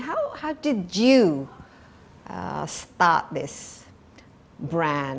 bagaimana anda memulai brand ini